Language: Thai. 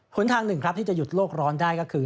หนทางหนึ่งครับที่จะหยุดโลกร้อนได้ก็คือ